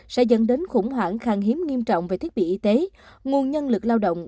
sẽ dẫn đến khủng hoảng khang hiếm nghiêm trọng về thiết bị y tế nguồn nhân lực lao động